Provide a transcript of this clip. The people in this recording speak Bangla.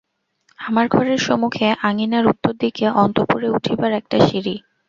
আমার ঘরের সমুখে আঙিনার উত্তর দিকে অন্তঃপুরে উঠিবার একটা সিঁড়ি।